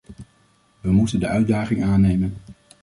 We moeten de uitdaging aannemen.